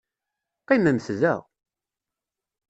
Qqimemt da!